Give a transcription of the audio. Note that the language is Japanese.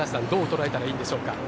どう捉えたらいいんでしょうか。